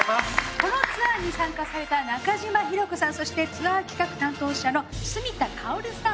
このツアーに参加された中島ひろ子さんそしてツアー企画担当者の角田薫さん